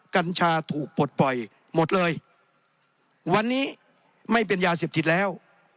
กัญชาถูกปลดปล่อยหมดเลยวันนี้ไม่เป็นยาเสพติดแล้ว